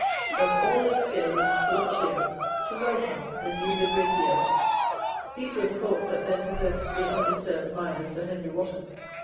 Thus all looks gay, and full of cheer, To welcome the new livery'd year. These were the thoughts that then possessed the undisturbed mind of Sir Henry Wotton.